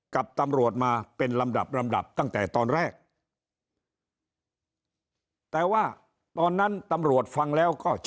กับตำรวจมาเป็นลำดับลำดับตั้งแต่ตอนแรกแต่ว่าตอนนั้นตำรวจฟังแล้วก็จะ